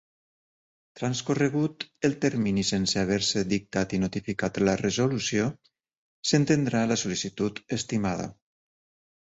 Transcorregut el termini sense haver-se dictat i notificat la resolució, s'entendrà la sol·licitud estimada.